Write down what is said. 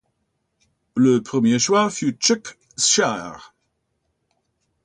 Le premier choix fut Chuck Share.